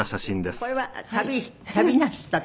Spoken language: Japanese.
これは旅なすった時？